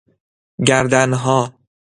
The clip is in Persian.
گردنها